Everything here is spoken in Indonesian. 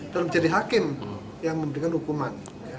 dan menjadi hakim yang memberikan hukuman